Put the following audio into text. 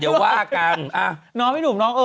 เดี๋ยวว่ากันอ่ะน้องพี่หนุ่มน้องเออ